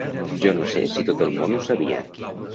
Jo no sé si tot el món ho sabia.